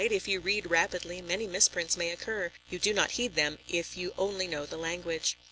"If you read rapidly, many misprints may occur; you do not heed them, if you only know the language."